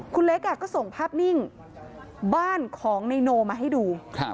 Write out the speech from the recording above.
คุณเล็กก็ส่งภาพนิ่งบ้านของนายโนมาให้ดู